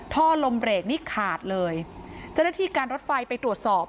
ท่อลมเบรกนี่ขาดเลยเจ้าหน้าที่การรถไฟไปตรวจสอบ